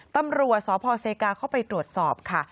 ตำรวจสพเซกาเข้าไปตรวจสอบค่ะ